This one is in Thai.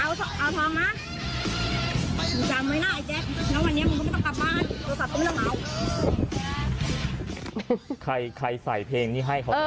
แล้ววันเนี้ยมันก็ไม่ต้องกลับบ้านโทรศัพท์ก็ไม่ต้องเอาใครใส่เพลงนี้ให้เขา